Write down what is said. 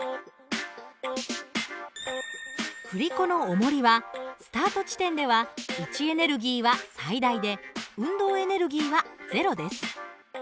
振り子のおもりはスタート地点では位置エネルギーは最大で運動エネルギーはゼロです。